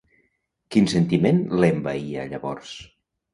Quin sentiment l'envaïa llavors?